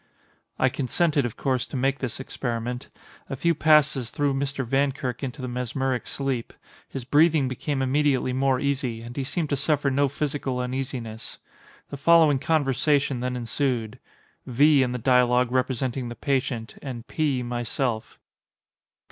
I consented of course to make this experiment. A few passes threw Mr. Vankirk into the mesmeric sleep. His breathing became immediately more easy, and he seemed to suffer no physical uneasiness. The following conversation then ensued:—V. in the dialogue representing the patient, and P. myself.